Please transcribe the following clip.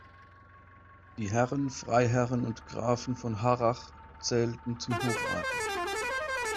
Die Herren, Freiherren und Grafen von Harrach zählten zum Hochadel.